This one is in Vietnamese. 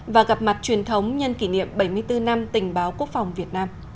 và gặp mặt truyền thống nhân kỷ niệm bảy mươi bốn năm tình báo quốc phòng việt nam